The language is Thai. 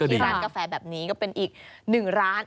ที่ร้านกาแฟแบบนี้ก็เป็นอีกหนึ่งร้าน